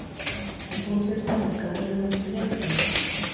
د پور بېرته ورکول یو مسوولیت دی.